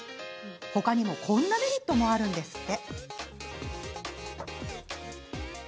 他にもこんなメリットもあるんですって。